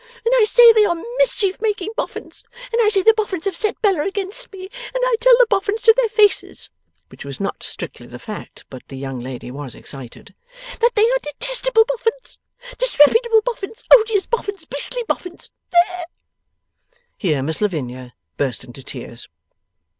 And I say they are mischief making Boffins, and I say the Boffins have set Bella against me, and I tell the Boffins to their faces:' which was not strictly the fact, but the young lady was excited: 'that they are detestable Boffins, disreputable Boffins, odious Boffins, beastly Boffins. There!' Here Miss Lavinia burst into tears.